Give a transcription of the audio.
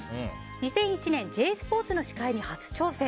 ２００１年、ＪＳＰＯＲＴＳの司会に初挑戦。